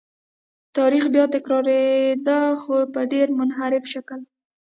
تاریخ بیا تکرارېده خو په ډېر منحرف شکل.